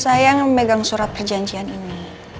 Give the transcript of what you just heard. saya memegang surat perjanjian ini